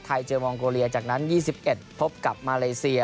เจอมองโกเลียจากนั้น๒๑พบกับมาเลเซีย